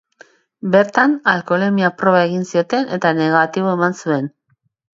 Bertan alkoholemia proba egin zioten eta negatibo eman zuen.